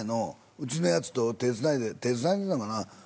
うちのヤツと手つないで手つないでたかな。